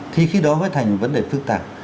thì khi đó mới thành vấn đề phức tạp